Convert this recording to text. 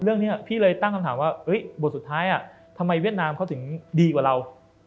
เรื่องนี้พี่เลยตั้งคำถามว่าบทสุดท้ายทำไมเวียดนามเขาถึงดีกว่าเรา